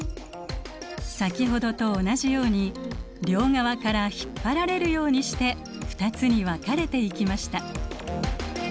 先ほどと同じように両側から引っ張られるようにして２つに分かれていきました。